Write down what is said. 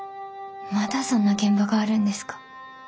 まだそんな現場があるんですか？